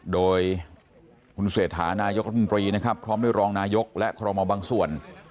โดยคุณเศรษฐานายกรัฐมนตรีนะครับพร้อมด้วยรองนายกและคอรมอบางส่วน